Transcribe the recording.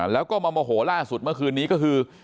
แล้วก็มาโมโหล่าสุดเมื่อคืนนี้ก็คือ